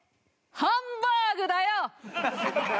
ハンバーグだよ！